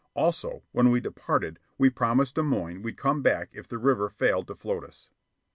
Also, when we departed, we promised Des Moines we'd come back if the river failed to float us.